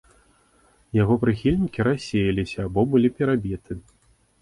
Яго прыхільнікі рассеяліся або былі перабіты.